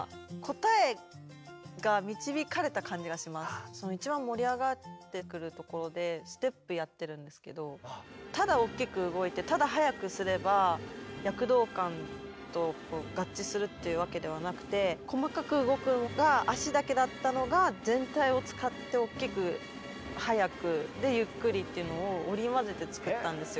いやもう一番盛り上がってくるところでステップやってるんですけどただおっきく動いてただ速くすれば躍動感と合致するっていうわけではなくて細かく動くのが足だけだったのが全体を使っておっきく速くでゆっくりっていうのを織り交ぜて作ったんですよ